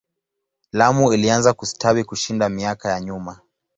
Lamu ilianza kustawi kushinda miaka ya nyuma.